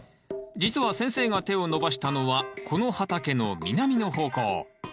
実は先生が手を伸ばしたのはこの畑の南の方向。